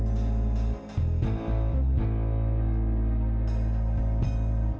jangan terlalu ya